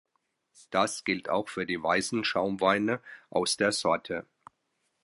Das gilt auch für die weißen Schaumweine aus der Sorte.